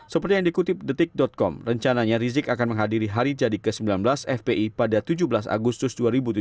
seperti yang dikutip detik com rencananya rizik akan menghadiri hari jadi ke sembilan belas fpi pada tujuh belas agustus dua ribu tujuh belas